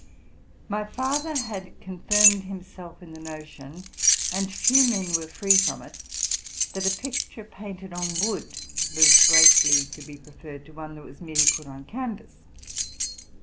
My father had confirmed himself in the notion— and few men were free from it— that a picture painted on wood was greatly to be preferred to one that was merely put on can vas.